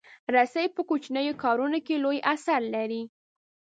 رسۍ په کوچنیو کارونو کې لوی اثر لري.